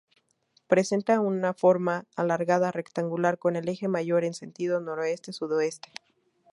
Presenta una forma alargada rectangular con el eje mayor en sentido noroeste-sudeste.